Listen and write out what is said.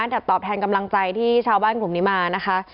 แต่ตอบแทนกำลังใจที่ชาวบ้านกลุ่มนี้มานะคะ